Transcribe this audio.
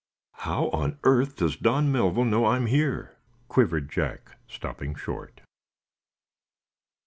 "How on earth does Don Melville know I'm here?" quivered Jack, stopping short.